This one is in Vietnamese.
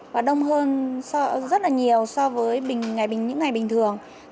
và đông hơn rất là nhiều so với những ngày bình thường